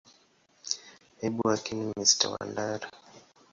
Naibu wake ni Mr.Wandera.